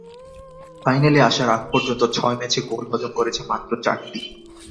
ফাইনালে আসার আগ পর্যন্ত ছয় ম্যাচে গোল হজম করেছে মাত্র চারটি।